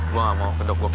gue gak mau kedok gue kebuka